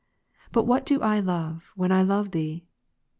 But what do I love, when I love Thee